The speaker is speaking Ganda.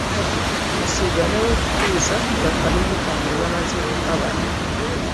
Musigaleewo okutuusa ng'akalulu kammwe bamaze okukabala.